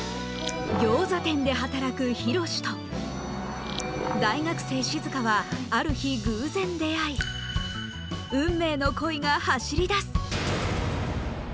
ギョーザ店で働くヒロシと大学生しずかはある日偶然出会い運命の恋が走りだす